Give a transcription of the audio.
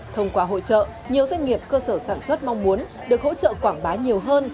thông qua hội trợ nhiều doanh nghiệp cơ sở sản xuất mong muốn được hỗ trợ quảng bá nhiều hơn